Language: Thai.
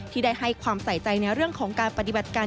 ที่ได้ให้ความใส่ใจในเรื่องของการปฏิบัติการ